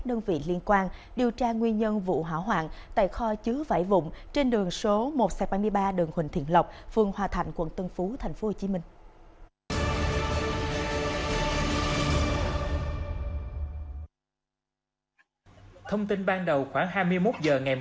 đăng ký kênh để ủng hộ kênh của mình nhé